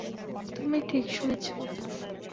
তুমি ঠিক শুনেছো।